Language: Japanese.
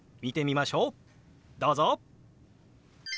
どうぞ！